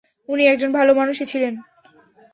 উনি একজন ভালো মানুষই ছিলেন।